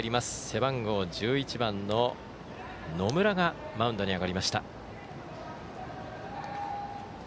背番号１１番の野村がマウンドに上がりました。